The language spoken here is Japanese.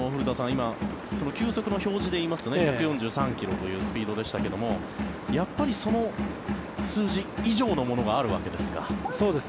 今、球速の表示で言いますと１４３ｋｍというスピードでしたがやっぱりその数字以上のものがあるわけですか。